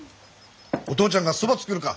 お父ちゃんがそば作るか？